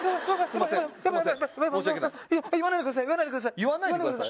言わないでください！